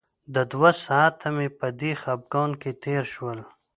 د دوه ساعته مې په دې خپګان کې تېر شول.